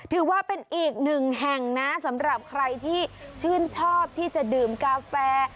ถือว่าเป็นอีกหนึ่งแห่งนะสำหรับใครที่ชื่นชอบที่จะดื่มกาแฟ